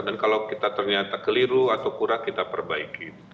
dan kalau kita ternyata keliru atau kurang kita perbaiki